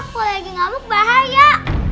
kalau lagi ngamuk bahaya